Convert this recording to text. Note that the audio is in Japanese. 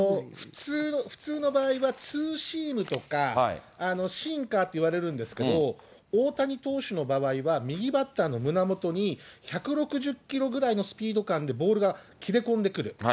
普通の場合はツーシームとか、シンカーっていわれるんですけれども、大谷投手の場合は、右バッターの胸元に１６０キロぐらいのスピード感でボールが切れ込んでくる。